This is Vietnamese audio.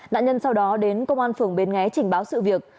nạn nhân sau đó đến công an phường bến nghé trình báo sự việc